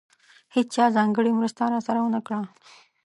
هېچا ځانګړې مرسته راسره ونه کړه.